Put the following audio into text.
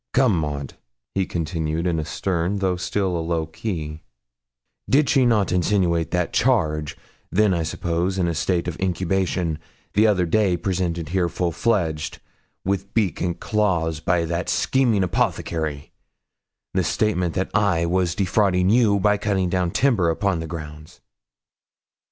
'Come, Maud,' he continued, in a stern, though still a low key, 'did she not insinuate that charge then, I suppose, in a state of incubation, the other day presented here full fledged, with beak and claws, by that scheming apothecary the statement that I was defrauding you by cutting down timber upon the grounds?'